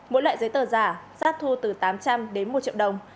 mỗi loại giấy tờ giả sát thu từ tám trăm linh đến một triệu đồng